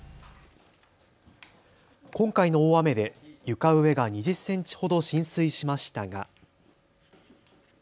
今回の大雨で床上が２０センチほど浸水しましたが。